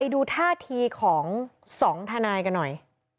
ดูท่าทีของ๒ทนายกันหน่อย